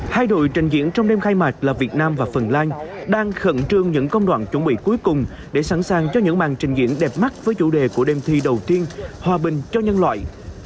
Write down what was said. hai đội trình diễn trong đêm khai mạc là việt nam và phần lan đang khẩn trương những công đoạn chuẩn bị cuối cùng để sẵn sàng cho những màn trình diễn đẹp mắt với chủ đề của đêm thi đầu tiên hòa bình cho nhân loại